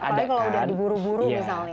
apalagi kalau udah diburu buru misalnya